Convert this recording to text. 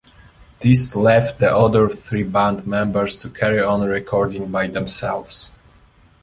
This left the other three band members to carry on recording by themselves.